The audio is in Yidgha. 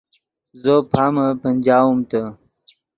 زو پامے پنجاؤم تے